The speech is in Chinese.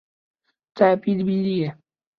在哔哩哔哩大火并迅速火遍整个中国网络。